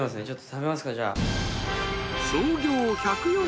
食べますかじゃあ。